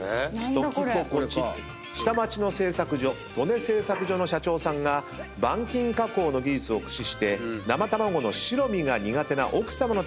下町の製作所トネ製作所の社長さんが板金加工の技術を駆使して生卵の白身が苦手な奥さまのために開発されたと。